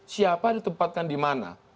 siapa ditempatkan di mana